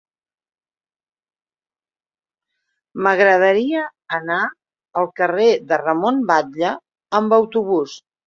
M'agradaria anar al carrer de Ramon Batlle amb autobús.